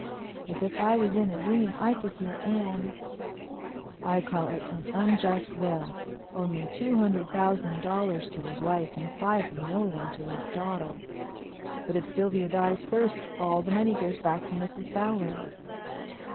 As if I was in a dream I could hear Anne: "I call it an unjust will—only two hundred thousand dollars to his wife and five millions to his daughter. But if Sylvia dies first, all the money goes back to Mrs. Fowler."